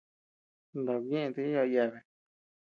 Ndaku ñeʼeta yaʼa yeabea.